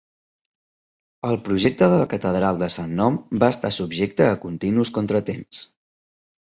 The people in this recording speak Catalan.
El projecte de la Catedral del Sant Nom va estar subjecte a continus contratemps.